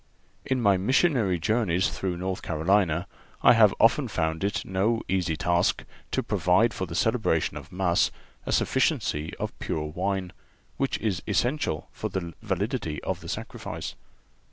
In my missionary journeys through North Carolina I have often found it no easy task to provide for the celebration of Mass a sufficiency of pure wine, which is essential for the validity of the sacrifice.